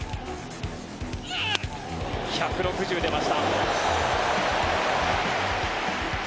１６０、出ました。